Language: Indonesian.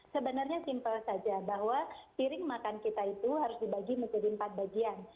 sebenarnya simpel saja bahwa piring makan kita itu harus dibagi menjadi empat bagian